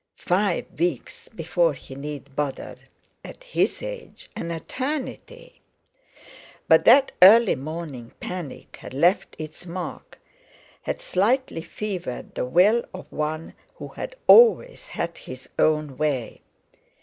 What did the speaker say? Five weeks before he need bother, at his age an eternity! But that early morning panic had left its mark, had slightly fevered the will of one who had always had his own way.